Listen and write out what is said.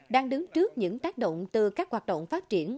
đang đứng trước những tác động từ các hoạt động phát triển